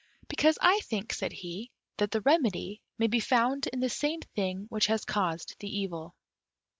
"Because I think," said he, "that the remedy may be found in the same thing which has caused the evil."